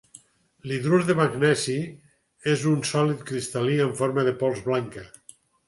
L'hidrur de magnesi és un sòlid cristal·lí en forma de pols blanca.